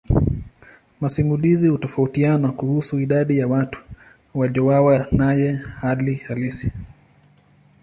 Masimulizi hutofautiana kuhusu idadi ya watu waliouawa naye hali halisi.